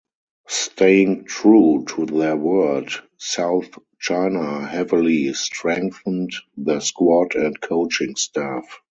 Staying true to their word, South China heavily strengthened their squad and coaching staff.